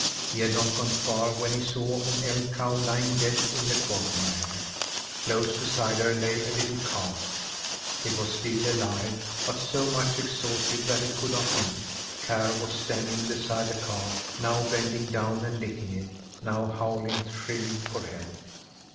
He had not gone far when he saw an elk cow lying dead in the quagmire. Close beside her lay a little calf. It was still alive, but so much exhausted that it could not move. Karr was standing beside the calf, now bending down and licking it, now howling shrilly for help.